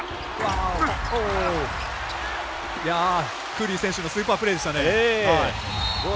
クーリー選手のスーパープレーでしたね。